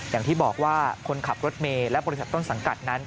อย่างที่บอกว่าคนขับรถเมย์และบริษัทต้นสังกัดนั้น